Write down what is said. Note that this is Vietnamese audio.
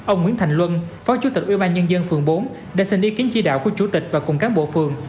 ông nguyễn thành luân phó chủ tịch ubnd phường bốn đã xin ý kiến chỉ đạo của chủ tịch và cùng cán bộ phường